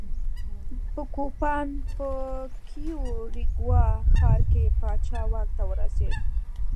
په کوپان په کیوریګوا ښار کې پاچا واک ته ورسېد.